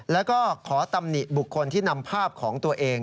แล้วก็ขอตำหนิบุคคลที่นำภาพของตัวเอง